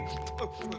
muah muah muah muah